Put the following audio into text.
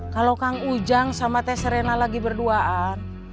kalau kang ujang sama teh serena lagi berduaan